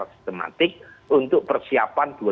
sistematik untuk persiapan